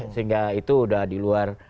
sehingga itu sudah di luar